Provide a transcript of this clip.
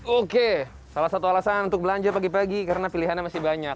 oke salah satu alasan untuk belanja pagi pagi karena pilihannya masih banyak